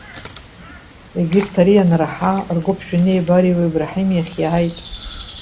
Егьырҭ, ари анраҳа, ргәы ԥжәаны иеибарыҩуа Ибраҳим иахь иааит.